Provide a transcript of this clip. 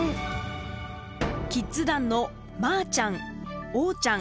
キッズ団のまーちゃんおーちゃん